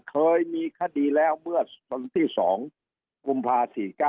เคยมีคดีแล้วเมื่อวันที่๒กุมภา๔๙